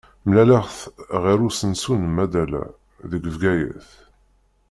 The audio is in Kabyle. Mlaleɣ-t ɣur usensu n Madala, deg Bgayet.